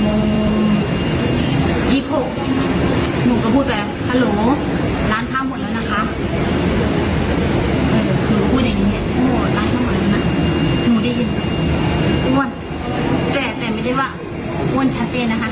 หนูก็พูดแบบฮรูร้านข้าวหมดแล้วนะคะ